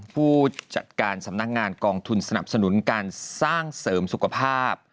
ผู้จัดการสำนักงานกองทุนสนับสนุนการสร้างเสริมสุขภาพ